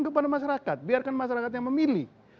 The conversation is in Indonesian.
kepada masyarakat biarkan masyarakat yang memilih